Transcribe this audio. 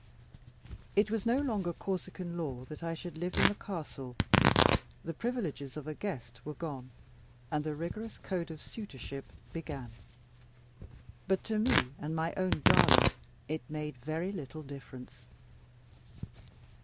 It was no longer Corsican law that I should live in the castle. The privileges of a guest were gone; and the rigorous code of suitorship began. But to me and my own darling it made very little difference.